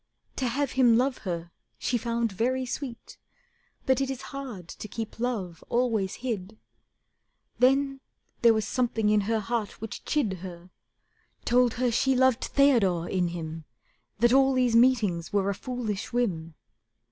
To have him love her she found very sweet, But it is hard to keep love always hid. Then there was something in her heart which chid Her, told her she loved Theodore in him, That all these meetings were a foolish whim.